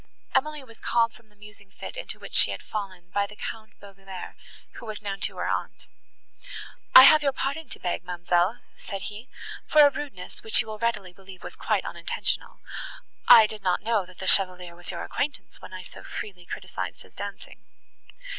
Emily was called from the musing fit, into which she had fallen, by the Count Bauvillers, who was known to her aunt. "I have your pardon to beg, ma'amselle," said he, "for a rudeness, which you will readily believe was quite unintentional. I did not know, that the Chevalier was your acquaintance, when I so freely criticised his dancing."